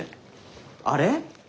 あれ？